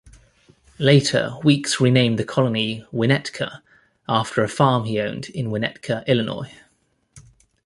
Later Weeks renamed the colony "Winnetka", after a farm he owned in Winnetka, Illinois.